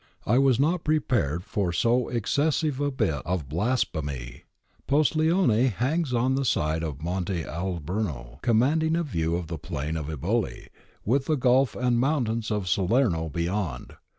I was not prepared for so excessive a bit of blasphemy.' Postiglione hangs on the side of Monte Alburno, commanding a view of the plain of Eboli with the gulf and mountains of Salerno beyond.